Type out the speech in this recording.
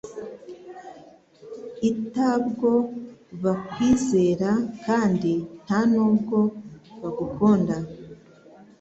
itabwo bakwizera kandi nta nubwo bagukunda,